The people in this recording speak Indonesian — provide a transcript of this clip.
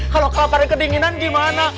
kalau kelaparnya kedinginan gimana